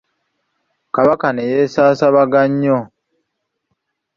Kabaka ne yeesaasaabaga nnyo.